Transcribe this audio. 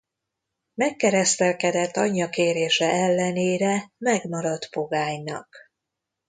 Megkeresztelkedett anyja kérése ellenére megmaradt pogánynak.